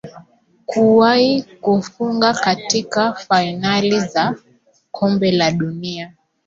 kuwahi kufunga katika fainali za kombe la dunia